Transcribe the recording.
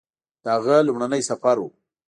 د هغه لومړنی سفر و